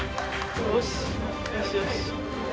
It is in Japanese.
よしよし！